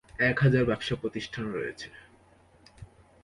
এক হাজার ব্যবসা প্রতিষ্ঠান রয়েছে।